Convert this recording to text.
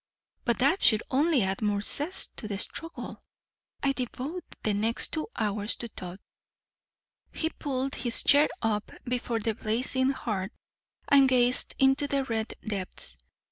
But that should only add more zest to the struggle. I devote the next two hours to thought." He pulled his chair up before the blazing hearth, and gazed into the red depths.